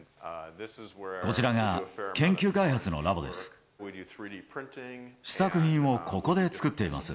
こちらが研究開発のラボです。